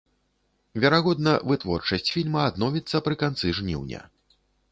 Верагодна, вытворчасць фільма адновіцца пры канцы жніўня.